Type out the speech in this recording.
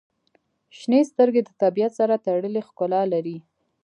• شنې سترګې د طبیعت سره تړلې ښکلا لري.